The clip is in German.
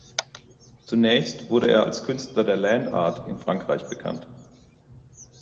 Zunächst wurde er als Künstler der Land Art in Frankreich bekannt.